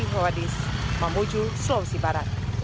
hai menuju sulawesi barat